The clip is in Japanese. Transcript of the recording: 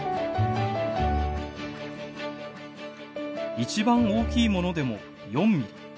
一番大きいものでも４ミリ。